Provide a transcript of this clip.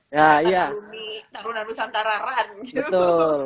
ikatan alumni tarunan nusantara